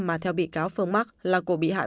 mà theo bị cáo phương mắc là của bị hại